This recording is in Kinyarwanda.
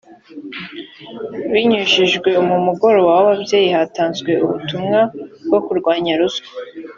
binyujijwe mu mugoroba w ababyeyi hatanzwe ubutumwa bwo kurwanya ruswa